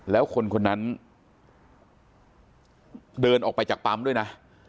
แล้วคนคนนั้นเดินออกไปจากปั๊มด้วยนะ